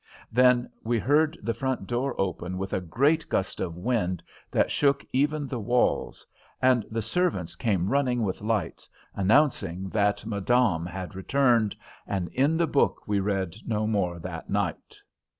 Then we heard the front door open with a great gust of wind that shook even the walls, and the servants came running with lights, announcing that Madame had returned, 'and in the book we read no more that night.'"